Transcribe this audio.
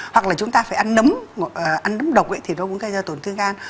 hoặc là chúng ta phải ăn nấm ăn nấm độc thì nó cũng gây ra tổn thương gan